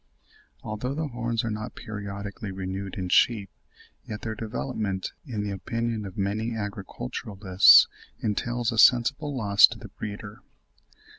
Although the horns are not periodically renewed in sheep, yet their development, in the opinion of many agriculturists, entails a sensible loss to the breeder.